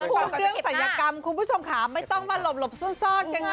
ส่วนเรื่องศัลยกรรมคุณผู้ชมค่ะไม่ต้องมาหลบซ่อนกันค่ะ